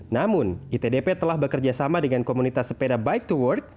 namun itdp telah bekerja sama dengan komunitas sepeda bike to work